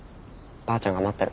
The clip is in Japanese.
ばあちゃんが待ってる。